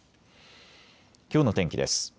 きょうの天気です。